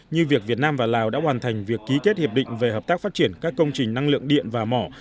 như việc việt nam và lào đã hoàn thành việc ký kết hiệp định về hợp tác phát triển các công trình năng lượng điện và mỏ